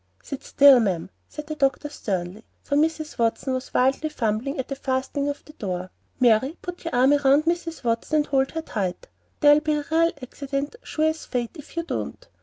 "Sit still, ma'am," said the doctor, sternly, for Mrs. Watson was wildly fumbling at the fastening of the door. "Mary, put your arm round Mrs. Watson, and hold her tight. There'll be a real accident, sure as fate, if you don't."